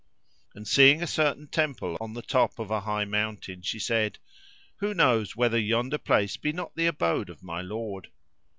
And seeing a certain temple on the top of a high mountain, she said, "Who knows whether yonder place be not the abode of my lord?"